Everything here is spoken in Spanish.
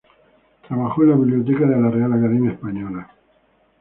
Trabajó en la biblioteca de la Real Academia Española.